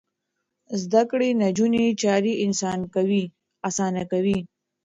زده کړې نجونې چارې اسانه کوي.